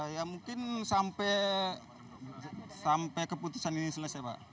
ya mungkin sampai keputusan ini selesai pak